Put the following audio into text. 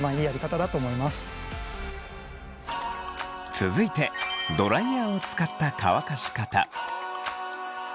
続いてドライヤーを使った乾かし方。